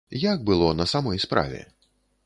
Як было на самой справе?